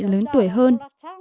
các chị lớn tuổi hơn